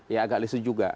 ya agak lesu juga